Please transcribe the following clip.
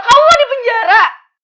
kamu mau di penjara